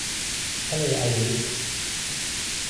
ทะเลไอริช